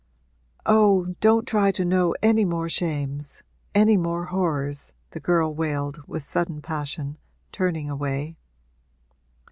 'Oh, don't try to know any more shames any more horrors!' the girl wailed with sudden passion, turning away.